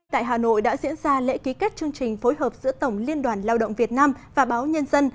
tại hà nội đã diễn ra lễ ký kết chương trình phối hợp giữa tổng liên đoàn lao động việt nam và báo nhân dân